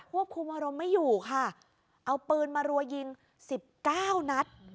พวกคุมอารมณ์ไม่อยู่ค่ะเอาปืนมารัวยิง๑๙นัท